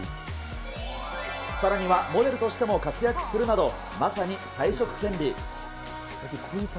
さらには、モデルとしても活躍するなど、まさに才色兼備。